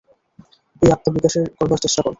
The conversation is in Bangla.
এই আত্মা বিকাশ করবার চেষ্টা কর্।